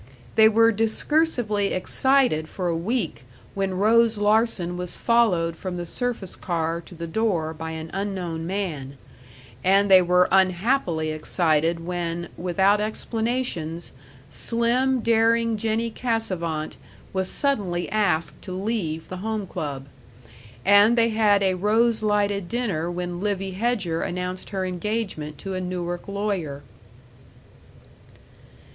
They were discursively excited for a week when Rose Larsen was followed from the surface car to the door by an unknown man; and they were unhappily excited when, without explanations, slim, daring Jennie Cassavant was suddenly asked to leave the Home Club; and they had a rose lighted dinner when Livy Hedger announced her engagement to a Newark lawyer.